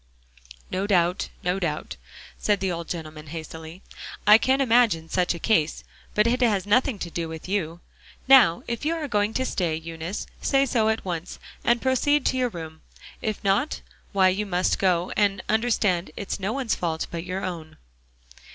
"No doubt, no doubt," said the old gentleman hastily, "I can imagine such a case, but it has nothing to do with you. Now, if you are going to stay, Eunice, say so at once, and proceed to your room. If not, why you must go, and understand it is no one's fault but your own."